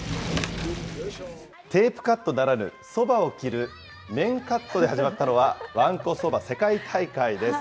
テープカットならぬ、そばを切る麺カットで始まったのは、わんこそば世界大会です。